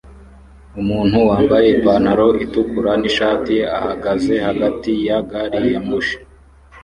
Umuntu wambaye ipantaro itukura nishati ahagaze hagati ya gari ya moshi